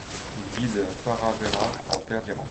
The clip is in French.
Il guide le faravahar en terre d'Iran.